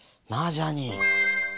ジャーニー。